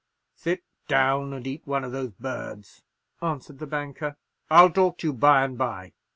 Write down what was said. "Sit down and eat one of those birds," answered the banker. "I'll talk to you by and by."